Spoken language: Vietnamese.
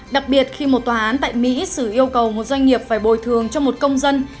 đặc biệt khi một tòa án tại mỹ xử yêu cầu một doanh nghiệp phải bồi thường cho một công dân